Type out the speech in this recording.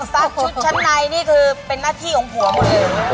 ซักชุดชั้นในนี่คือเป็นหน้าที่ของผัวผม